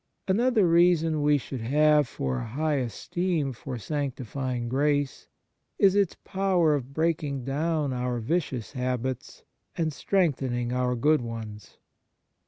Another reason we should have for a high esteem for sanctifying grace is its power of breaking down our vicious habits and strengthening our good ones.